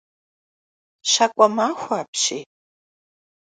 Щакӏуэмахуэ апщий.